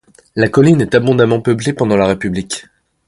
La colline est abondamment peuplée pendant la République.